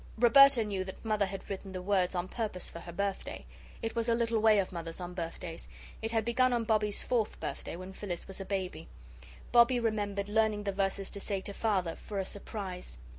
Roberta knew that Mother had written the words on purpose for her birthday. It was a little way of Mother's on birthdays. It had begun on Bobbie's fourth birthday when Phyllis was a baby. Bobbie remembered learning the verses to say to Father 'for a surprise.'